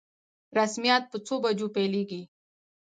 رسميات په څو بجو پیلیږي؟